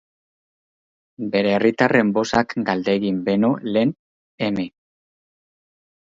Bere herritarren bozak galdegin beno lehen, M.